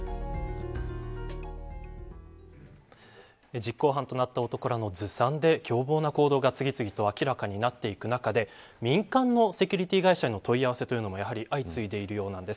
実行犯となった男らのずさんで凶暴な行動が次々と明らかになっていく中で民間のセキュリティー会社への問い合わせも相次いでいるようなんです。